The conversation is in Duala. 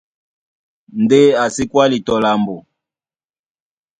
Ndé a sí kwáli tɔ lambo.